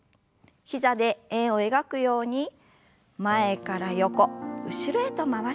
膝で円を描くように前から横後ろへと回しましょう。